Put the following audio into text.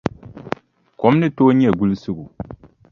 Kom ni tooi nyɛ gulisigu.